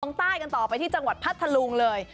ใต้กันต่อไปที่จังหวัดพัทธลุงเลย